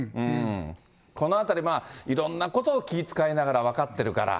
このあたり、いろんなことを気遣いながら、分かってるから。